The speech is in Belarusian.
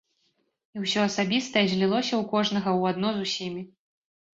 І ўсё асабістае злілося ў кожнага ў адно з усімі.